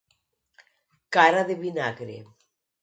Cara de vinagre.